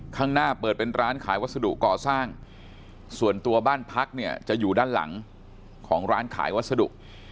ข้างหน้าเปิดเป็นร้านขายวัสดุก่อสร้างส่วนตัวบ้านพักเนี่ยจะอยู่ด้านหลังของร้านขายวัสดุ